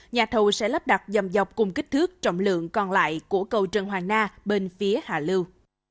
nhà thầu sẽ lắp đặt dầm dọc cùng kích thước trọng lượng còn lại của cầu trần hoàng na bên phía hạ lưu